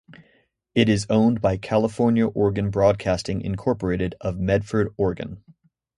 It is owned by California Oregon Broadcasting, Incorporated of Medford, Oregon.